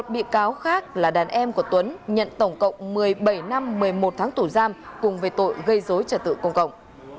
một mươi bị cáo khác là đàn em của tuấn nhận tổng cộng một mươi bảy năm một mươi một tháng tù giam cùng về tội gây dối trật tự công cộng